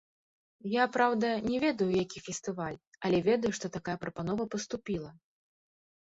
Я, праўда, не ведаю, які фестываль, але ведаю, што такая прапанова паступіла.